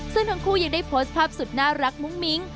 ซึ่งทั้งคู่ยังได้โพสต์ภาพสุดน่ารักมุ้งมิ้ง